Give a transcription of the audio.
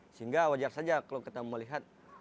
sehingga wajar saja kalau kita melihat